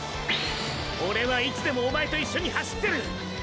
オレはいつでもおまえと一緒に走ってる！！